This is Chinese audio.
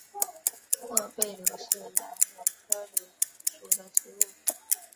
褐背柳是杨柳科柳属的植物。